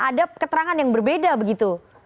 ada keterangan yang berbeda begitu